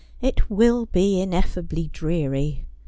' It will be ineffably dreary.